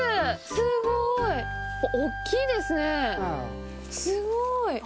すごい。大きいですね、すごい。